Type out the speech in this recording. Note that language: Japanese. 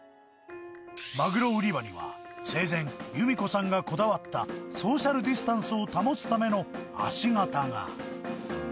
マグロ売り場には、生前、由美子さんがこだわった、ソーシャルディスタンスを保つための足形が。